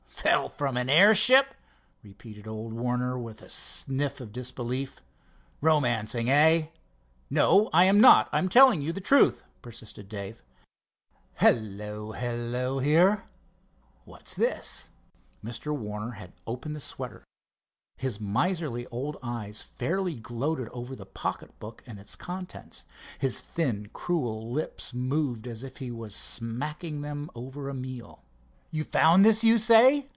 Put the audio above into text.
"Fell from an airship?" repeated old Warner with a sniff of disbelief. "Romancing, hey?" "No, I am not, I am telling you the truth," persisted Dave. "Hello! hello! Here, what's this?" Mr. Warner had opened the sweater. His miserly old eyes fairly gloated over the pocket book and its contents. His thin cruel lips moved as if he was smacking them over a meal. "You found this, you say?"